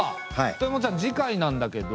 豊本ちゃん次回なんだけど。